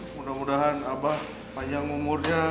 mudah mudahan abah panjang umurnya